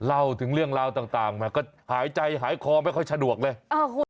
อ้าวเติมเรื่องราวต่างหายใจหายคอไม่ค่อยสะดวกเลย